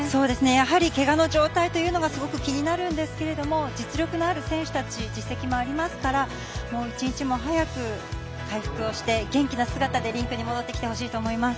やはりけがの状態というのがすごく気になるんですけど実力のある選手たち実績もありますから一日も早く回復をして元気な姿でリンクに戻ってきてほしいと思います。